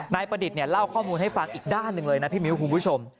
ประดิษฐ์เล่าข้อมูลให้ฟังอีกด้านหนึ่งเลยนะพี่มิ้วคุณผู้ชม